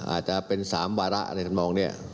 อาจจะเป็น๓วาระในถัดมองนี้